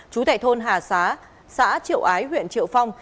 chú tài thôn hà xã xã triệu ái huyện triệu phong